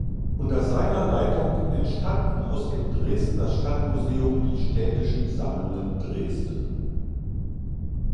Unter seiner Leitung entstanden aus dem Dresdner Stadtmuseum die Städtischen Sammlungen Dresden.